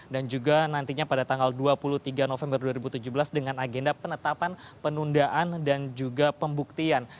dan juga nantinya pada tanggal dua puluh tiga november dua ribu tujuh belas dengan agenda penetapan penundaan dan juga pembuktian